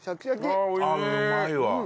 うまいわ。